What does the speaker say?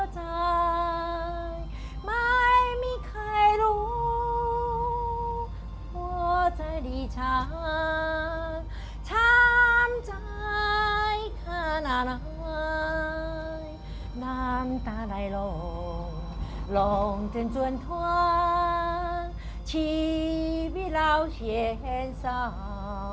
ชีวิตเราเชิญเศร้า